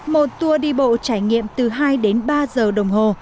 một tour đi bộ trải nghiệm từ hai đến ba giờ đồng hồ